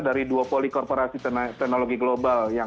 dari dua poli korporasi teknologi global yang